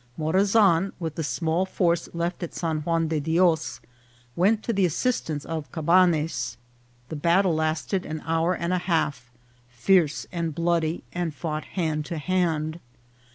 Morazan, with the small force left at San Juan de Dios, went to the assistance of Cabanes. The battle lasted an hour and a half, fierce and bloody, and fought hand to hand.